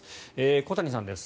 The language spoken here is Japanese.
小谷さんです